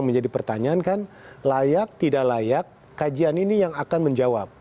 menjadi pertanyaan kan layak tidak layak kajian ini yang akan menjawab